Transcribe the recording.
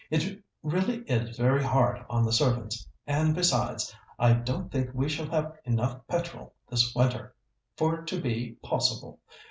It really is very hard on the servants, and, besides, I don't think we shall have enough petrol this winter for it to be possible.